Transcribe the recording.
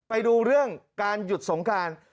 ไปดูเรื่องการหยุดสงคราน